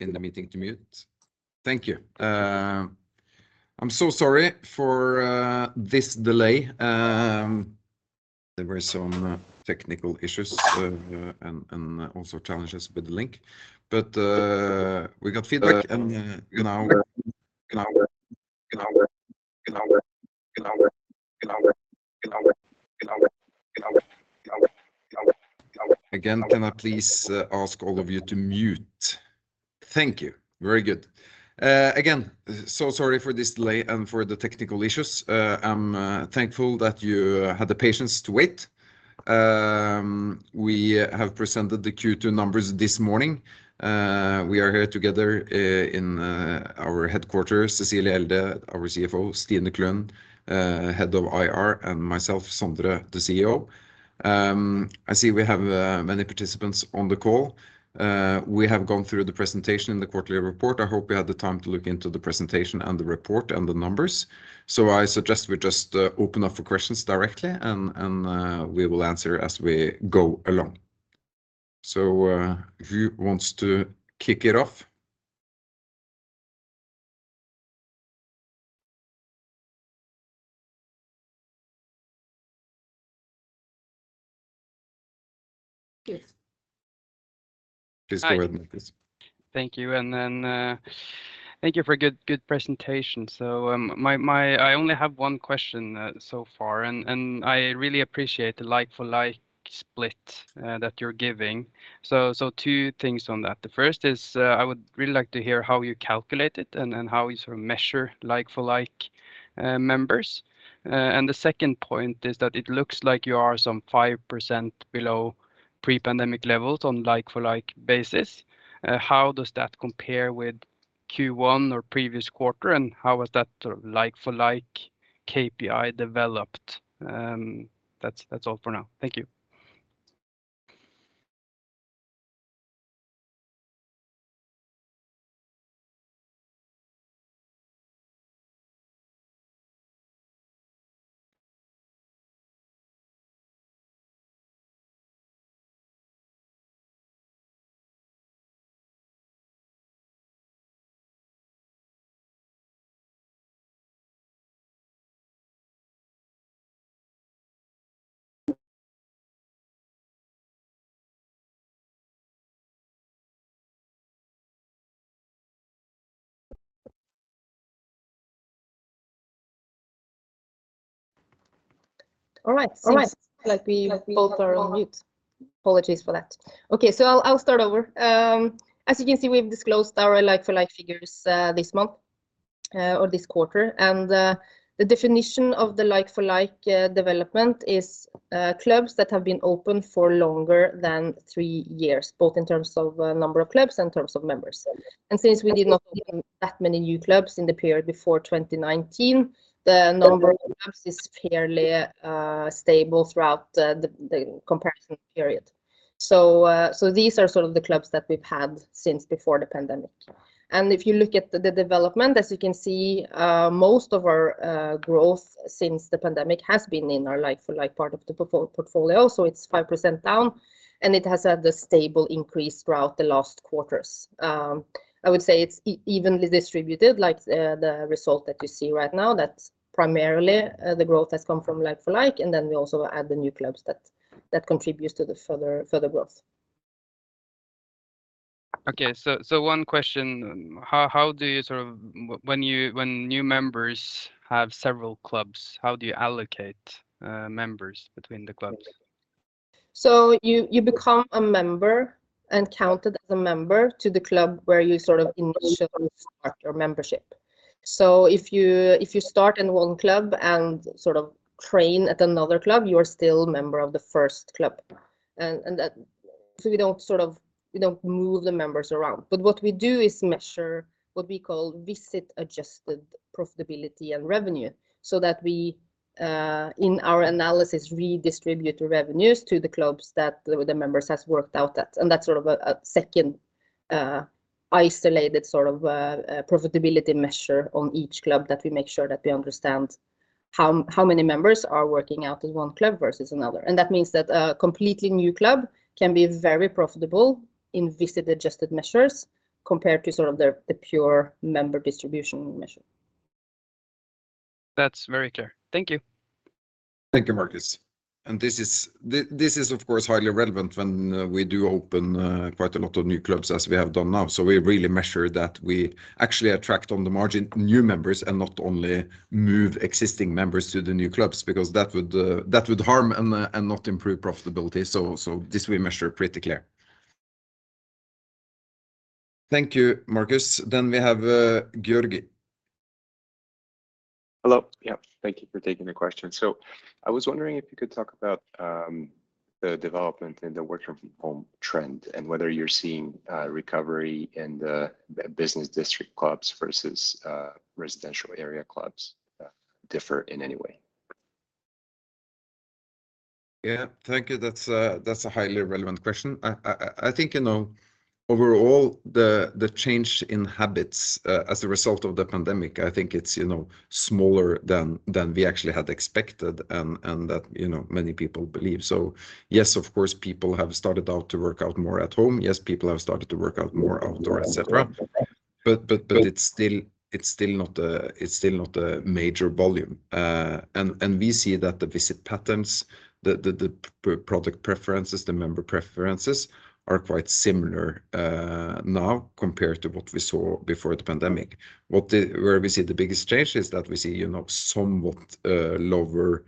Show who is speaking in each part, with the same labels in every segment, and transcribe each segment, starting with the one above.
Speaker 1: In the meeting, to mute. Thank you. I'm so sorry for this delay. There were some technical issues and also challenges with the link. We got feedback and you know. Again, can I please ask all of you to mute? Thank you. Very good. Again, so sorry for this delay and for the technical issues. I'm thankful that you had the patience to wait. We have presented the Q2 numbers this morning. We are here together in our headquarters. Cecilie Elde, our CFO, Stine Klund, Head of IR, and myself, Sondre, the CEO. I see we have many participants on the call. We have gone through the presentation in the quarterly report. I hope you had the time to look into the presentation and the report and the numbers. I suggest we just open up for questions directly and we will answer as we go along. Who wants to kick it off?
Speaker 2: Hi.
Speaker 1: Please go ahead, Markus.
Speaker 2: Thank you. Thank you for a good presentation. I only have one question so far, and I really appreciate the like-for-like split that you're giving. Two things on that. The first is, I would really like to hear how you calculate it and how you sort of measure like-for-like members. The second point is that it looks like you are 5% below pre-pandemic levels on like-for-like basis. How does that compare with Q1 or previous quarter, and how has that like-for-like KPI developed? That's all for now. Thank you.
Speaker 3: All right. Seems like we both are on mute. Apologies for that. Okay, I'll start over. As you can see, we've disclosed our like-for-like figures this month or this quarter. The definition of the like-for-like development is clubs that have been open for longer than three years, both in terms of number of clubs and in terms of members. Since we did not open that many new clubs in the period before 2019, the number of clubs is fairly stable throughout the comparison period. These are sort of the clubs that we've had since before the pandemic. If you look at the development, as you can see, most of our growth since the pandemic has been in our like-for-like part of the portfolio. It's 5% down, and it has had a stable increase throughout the last quarters. I would say it's evenly distributed, like the result that you see right now. That's primarily the growth has come from like-for-like, and then we also add the new clubs that contributes to the further growth.
Speaker 2: One question. When new members have several clubs, how do you allocate members between the clubs?
Speaker 3: You become a member and counted as a member to the club where you sort of initially start your membership. If you start in one club and sort of train at another club, you're still a member of the first club. We don't move the members around. But what we do is measure what we call visit-adjusted profitability and revenue, so that we, in our analysis, redistribute the revenues to the clubs that the members has worked out at. That's sort of a second, isolated sort of, profitability measure on each club that we make sure that we understand how many members are working out in one club versus another. That means that a completely new club can be very profitable in visit-adjusted measures compared to sort of the pure member distribution measure.
Speaker 2: That's very clear. Thank you.
Speaker 1: Thank you, Markus. This is, of course, highly relevant when we do open quite a lot of new clubs as we have done now. We really measure that we actually attract on the margin new members and not only move existing members to the new clubs, because that would harm and not improve profitability. This we measure pretty clear. Thank you, Markus. We have George.
Speaker 4: Hello. Yeah, thank you for taking the question. I was wondering if you could talk about the development in the work from home trend and whether you're seeing recovery in the business district clubs versus residential area clubs differ in any way?
Speaker 1: Yeah. Thank you. That's a highly relevant question. I think, you know, overall the change in habits as a result of the pandemic, I think it's, you know, smaller than we actually had expected and that, you know, many people believe. Yes, of course, people have started to work out more at home. Yes, people have started to work out more outdoors, et cetera. It's still not a major volume. We see that the visit patterns, the product preferences, the member preferences are quite similar now compared to what we saw before the pandemic. Where we see the biggest change is that we see, you know, somewhat lower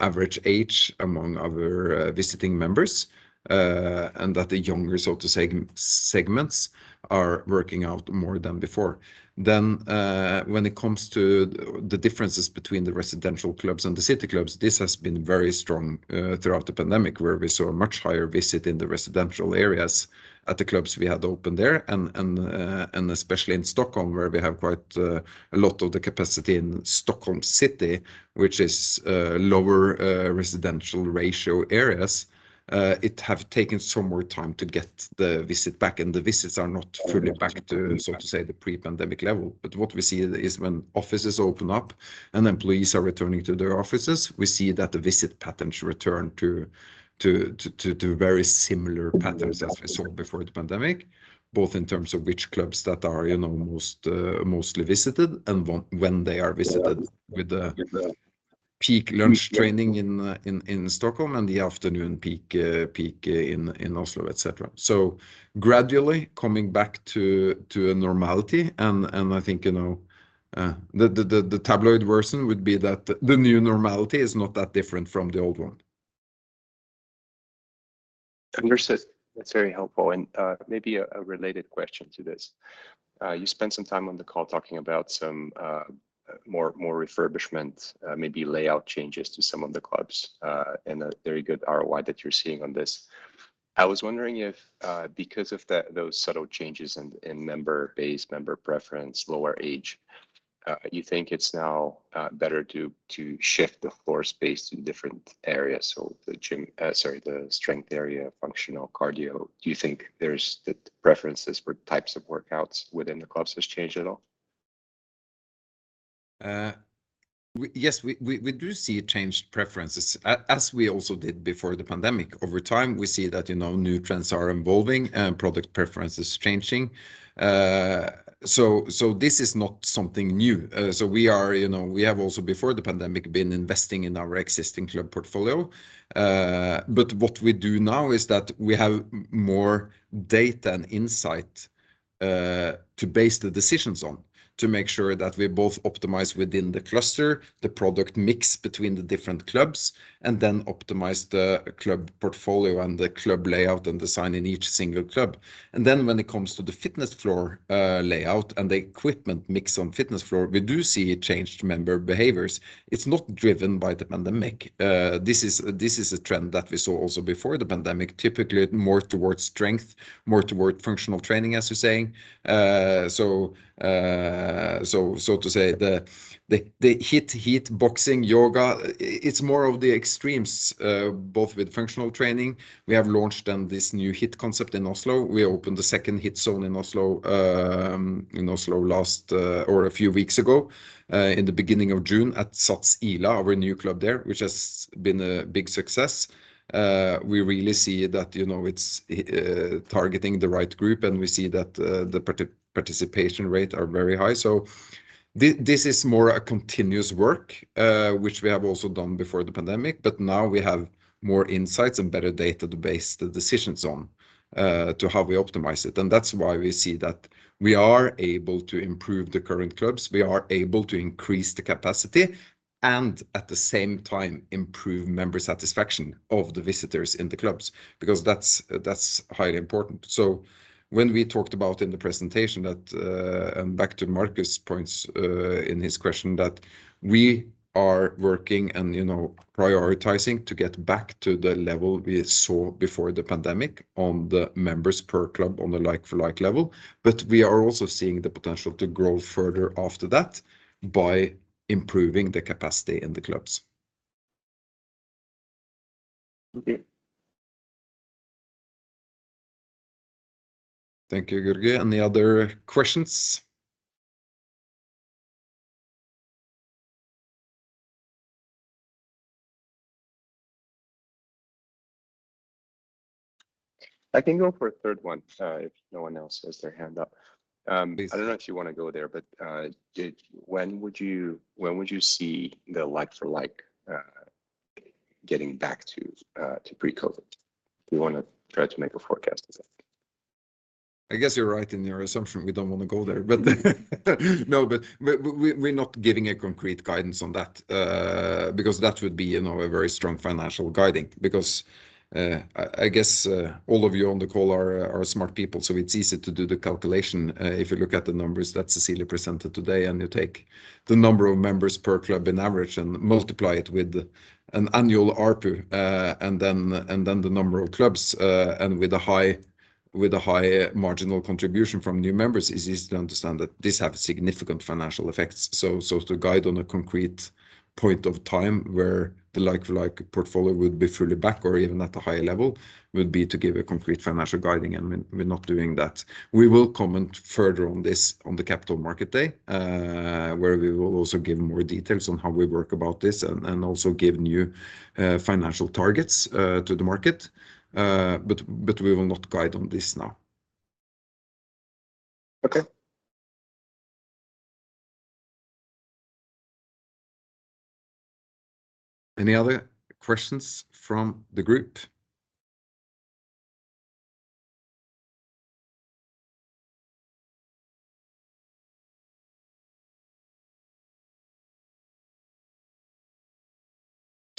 Speaker 1: average age among our visiting members, and that the younger so to say segments are working out more than before. When it comes to the differences between the residential clubs and the city clubs, this has been very strong throughout the pandemic, where we saw a much higher visit in the residential areas at the clubs we had open there and especially in Stockholm, where we have quite a lot of the capacity in Stockholm City, which is lower residential ratio areas. It have taken some more time to get the visit back, and the visits are not fully back to, so to say, the pre-pandemic level. What we see is when offices open up and employees are returning to their offices, we see that the visit patterns return to very similar patterns as we saw before the pandemic, both in terms of which clubs that are, you know, most mostly visited and when they are visited with the peak lunch training in Stockholm and the afternoon peak in Oslo, et cetera. Gradually coming back to a normality. I think, you know, the tabloid version would be that the new normality is not that different from the old one.
Speaker 4: Understood. That's very helpful. Maybe a related question to this. You spent some time on the call talking about some more refurbishment, maybe layout changes to some of the clubs, and a very good ROI that you're seeing on this. I was wondering if, because of those subtle changes in member base, member preference, lower age, you think it's now better to shift the floor space in different areas, so the gym—sorry, the strength area, functional cardio. Do you think the preferences for types of workouts within the clubs has changed at all?
Speaker 1: Yes, we do see changed preferences as we also did before the pandemic. Over time, we see that, you know, new trends are evolving and product preference is changing. So this is not something new. You know, we have also before the pandemic been investing in our existing club portfolio. But what we do now is that we have more data and insight to base the decisions on, to make sure that we both optimize within the cluster the product mix between the different clubs, and then optimize the club portfolio and the club layout and design in each single club. When it comes to the fitness floor, layout and the equipment mix on fitness floor, we do see changed member behaviors. It's not driven by the pandemic. This is a trend that we saw also before the pandemic, typically more toward strength, more toward functional training, as you're saying. To say the HIIT, boxing, yoga, it's more of the extremes, both with functional training. We have launched then this new HIIT concept in Oslo. We opened the second HIIT zone in Oslo a few weeks ago, in the beginning of June at SATS Ila, our new club there, which has been a big success. We really see that, you know, it's targeting the right group, and we see that, the participation rate are very high. This is more a continuous work, which we have also done before the pandemic, but now we have more insights and better data to base the decisions on, to how we optimize it. That's why we see that we are able to improve the current clubs. We are able to increase the capacity and at the same time improve member satisfaction of the visitors in the clubs, because that's highly important. When we talked about in the presentation that, and back to Markus' points, in his question, that we are working and, you know, prioritizing to get back to the level we saw before the pandemic on the members per club on a like-for-like level. But we are also seeing the potential to grow further after that by improving the capacity in the clubs.
Speaker 4: Okay.
Speaker 1: Thank you, George. Any other questions?
Speaker 4: I can go for a third one, if no one else has their hand up.
Speaker 1: Please.
Speaker 4: I don't know if you wanna go there, but when would you see the like-for-like getting back to pre-COVID? Do you wanna try to make a forecast on that?
Speaker 1: I guess you're right in your assumption. We don't wanna go there. No, we're not giving a concrete guidance on that, because that would be, you know, a very strong financial guiding because, I guess, all of you on the call are smart people, so it's easy to do the calculation. If you look at the numbers that Cecilie presented today, and you take the number of members per club in average and multiply it with an annual ARPU, and then the number of clubs, and with a high marginal contribution from new members, it's easy to understand that this have significant financial effects. To guide on a concrete point of time where the like-for-like portfolio would be fully back or even at a higher level would be to give a concrete financial guidance, and we're not doing that. We will comment further on this on the Capital Markets Day, where we will also give more details on how we work on this and also give new financial targets to the market. We will not guide on this now.
Speaker 4: Okay.
Speaker 1: Any other questions from the group?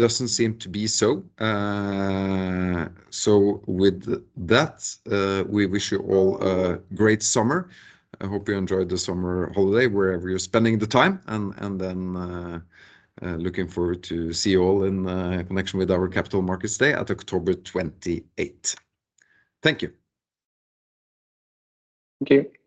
Speaker 1: Doesn't seem to be so. With that, we wish you all a great summer. I hope you enjoy the summer holiday, wherever you're spending the time. Looking forward to see you all in connection with our Capital Markets Day at October 28th. Thank you.
Speaker 4: Thank you.